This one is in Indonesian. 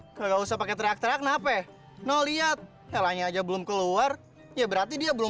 nggak usah pakai teriak teriak nape no lihat ellanya aja belum keluar ya berarti dia belum